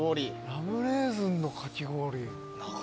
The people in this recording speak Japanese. ラムレーズンのかき氷